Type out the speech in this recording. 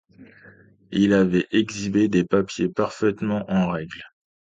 Il avait exhibé des papiers parfaitement en règle.